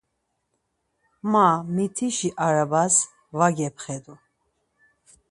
Ma mitişi arabas var gepxedur.